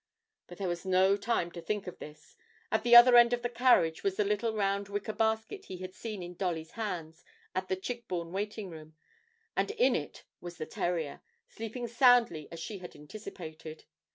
But there was no time to think of this; at the other end of the carriage was the little round wicker basket he had seen in Dolly's hands at the Chigbourne waiting room, and in it was the terrier, sleeping soundly as she had anticipated.